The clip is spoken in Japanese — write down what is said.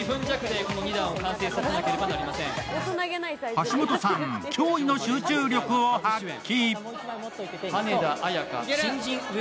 橋本さん、驚異の集中力を発揮。